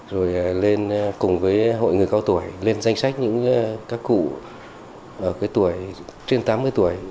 rồi lên cùng với hội người cao tuổi lên danh sách những các cụ ở cái tuổi trên tám mươi tuổi